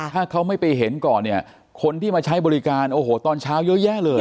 ถ้าเขาไม่ไปเห็นก่อนเนี่ยคนที่มาใช้บริการโอ้โหตอนเช้าเยอะแยะเลย